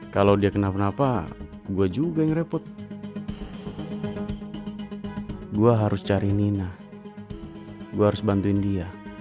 kalau dia kenapa napa gua juga ngerepot gua harus cari nina gua harus bantuin dia